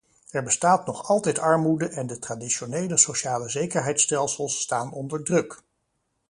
Er bestaat nog altijd armoede en de traditionele socialezekerheidsstelsels staan onder druk.